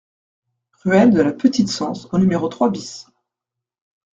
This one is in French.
Ruelle de la Petite Cense au numéro trois BIS